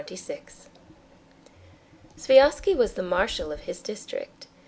Chapter 26 Sviazhsky was the marshal of his district.